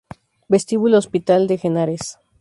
Vestíbulo Hospital del Henares